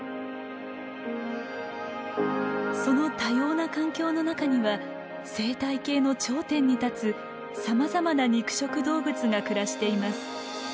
その多様な環境の中には生態系の頂点に立つさまざまな肉食動物が暮らしています。